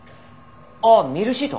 ああミルシート！